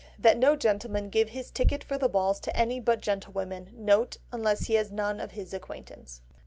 That no gentleman give his ticket for the balls to any but gentlewomen. N.B.—Unless he has none of his acquaintance.